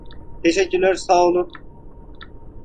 Teşekkürler, sağ olun.